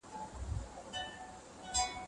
تاسې هم کولی شئ خپل حالت بدل کړئ.